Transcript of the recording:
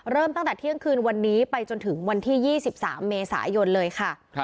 ตั้งแต่เที่ยงคืนวันนี้ไปจนถึงวันที่๒๓เมษายนเลยค่ะ